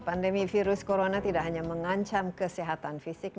pandemi virus corona tidak hanya mengancam kesehatan fisik